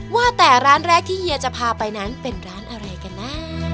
ว่าแต่ร้านแรกที่เฮียจะพาไปนั้นเป็นร้านอะไรกันนะ